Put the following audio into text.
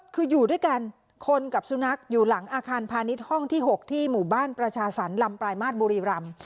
คืออยู่ด้วยกันคนกับสุนัขอยู่หลังอาคารพาณิชย์ห้องที่๖ที่หมู่บ้านประชาสรรลำปลายมาตรบุรีรำ